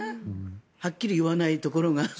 はっきり言わないところが。